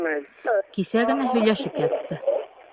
Кисә генә һөйләшеп ятты.